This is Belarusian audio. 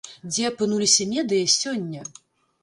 Дзе апынуліся медыя сёння?